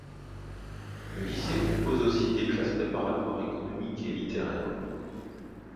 Le lycée propose aussi des classes préparatoires économiques et littéraires.